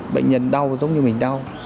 bệnh nhân đau giống như mình đau